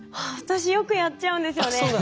あっ私よくやっちゃうんですよね。